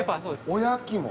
おやきも？